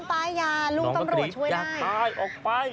กลับมาช่วยกัน